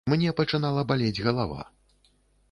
Мне пачынала балець галава.